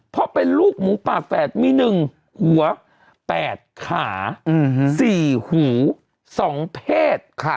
เพราะเป็นลูกหมูป่าแฝดมี๑หัว๘ขา๔หู๒เพศ